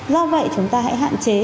do vậy chúng ta hãy hạn chế